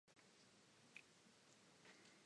In the past, the group Bryopsida included all mosses.